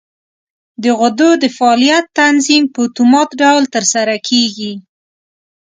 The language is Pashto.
د غدو د فعالیت تنظیم په اتومات ډول تر سره کېږي.